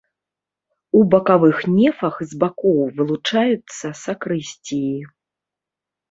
У бакавых нефах з бакоў вылучаюцца сакрысціі.